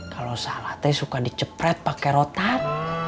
kalo salah teh suka dicepret pake rotak